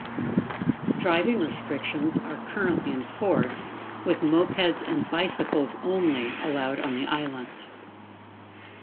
Driving restrictions are currently enforced, with mopeds and bicycles only allowed on the island.